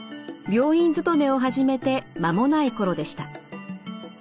病院勤めを始めて間もない頃でした。